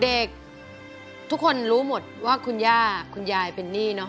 เด็กทุกคนรู้หมดว่าคุณย่าคุณยายเป็นหนี้เนอะ